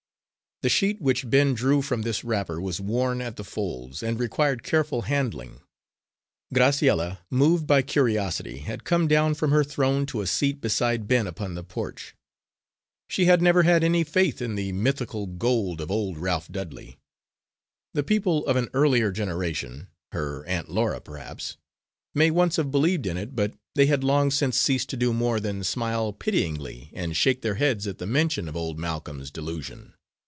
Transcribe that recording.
The sheet which Ben drew from this wrapper was worn at the folds, and required careful handling. Graciella, moved by curiosity, had come down from her throne to a seat beside Ben upon the porch. She had never had any faith in the mythical gold of old Ralph Dudley. The people of an earlier generation her Aunt Laura perhaps may once have believed in it, but they had long since ceased to do more than smile pityingly and shake their heads at the mention of old Malcolm's delusion.